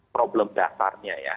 problem dasarnya ya